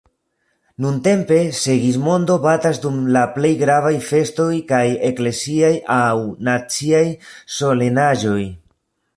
Nuntempe "Sigismondo" batas dum la plej gravaj festoj kaj ekleziaj aŭ naciaj solenaĵoj.